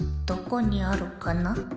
どこにあるかな？